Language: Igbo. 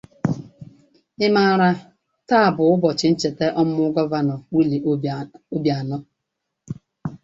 Ị̀ mààrà taa bụ ụbọchị ncheta ọmụmụ Gọvanọ Willie Obianọ?